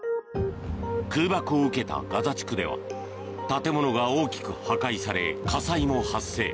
空爆を受けたガザ地区では建物が大きく破壊され火災も発生。